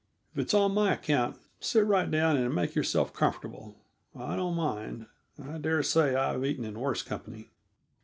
If it's on my account, sit right down and make yourself comfortable. I don't mind; I dare say I've eaten in worse company."